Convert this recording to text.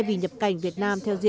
và các bạn nghĩ về